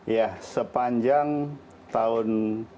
ya sepanjang tahun dua ribu dua puluh